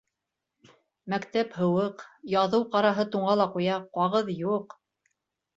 Мәктәп һыуыҡ, яҙыу ҡараһы туңа ла ҡуя, ҡағыҙ юҡ...